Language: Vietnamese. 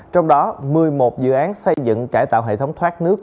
trong đó một mươi một dự án xây dựng cải tạo hệ thống thoát nước